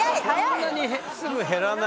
そんなにすぐ減らないよね？